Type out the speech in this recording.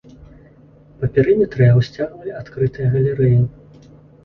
Па перыметры яго сцягвалі адкрытыя галерэі.